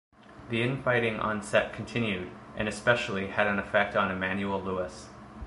The in-fighting on set continued, and especially had an effect on Emmanuel Lewis.